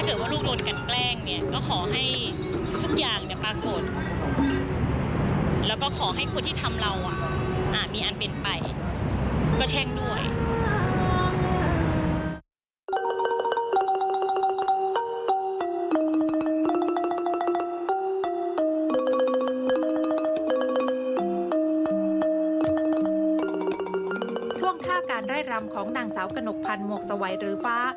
ช่วงท่าการไล่รำของนางสาวกระหนกพันธ์หมวกสวัยหรือฟ้า